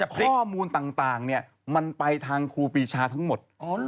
ข้อมูลต่างมันไปทางครูปีชาทั้งหมด